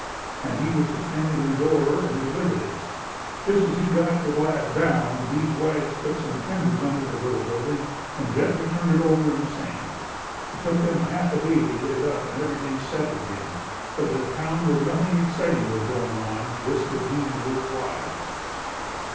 and he was to stand in the door and deliver this. Just as he got to the last "Down" these wags put some timbers under the little building and gently turned it over in the sand. It took them half a day to get it up and get everything settled again, but in a town where nothing exciting was going on, this was deemed worth while.